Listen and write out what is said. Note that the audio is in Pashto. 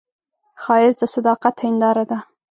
ښایست د صداقت هنداره ده